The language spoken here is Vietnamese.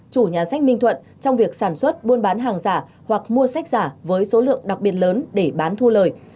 chủ nhà sách minh thuận trong việc sản xuất buôn bán hàng giả hoặc mua sách giả với số lượng đặc biệt lớn để bán thu lời